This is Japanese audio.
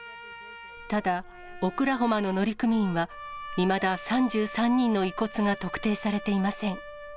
ただ、オクラホマの乗組員は、いまだ３３人の遺骨が特定されていません。